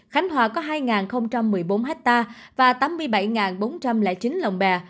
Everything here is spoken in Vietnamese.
khánh hòa có hai một mươi bốn hectare và tám mươi bảy bốn trăm linh chín lồng bè